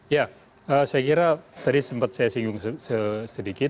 ya saya kira tadi sempat saya singgung sedikit